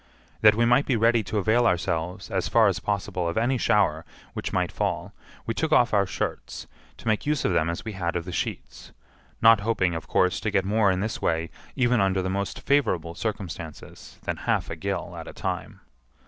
That we might be ready to avail ourselves, as far as possible, of any shower which might fall we took off our shirts, to make use of them as we had of the sheets—not hoping, of course, to get more in this way, even under the most favorable circumstances, than half a gill at a time.